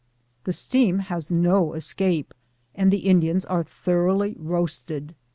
The steam has no escape, and the In dians are thoroughly roasted.